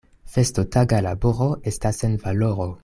Festotaga laboro estas sen valoro.